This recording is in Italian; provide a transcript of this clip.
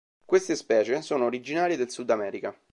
Queste specie sono originarie del Sudamerica.